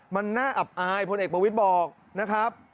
มันน่าอับอายพลเอกประวิทย์บอกนะครับ